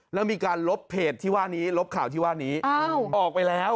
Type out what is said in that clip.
แล้วมีการลบเพจที่ว่านี้ลบข่าวที่ว่านี้ออกไปแล้ว